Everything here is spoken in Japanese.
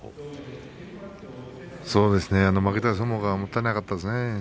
そうですね、負けた相撲がもったいなかったですね。